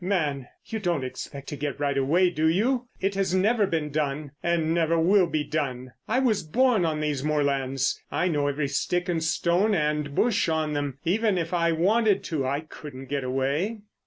"Man, you don't expect to get right away, do you? It has never been done and never will be done. I was born on these moorlands. I know every stick and stone and bush on them. Even if I wanted to I couldn't get away."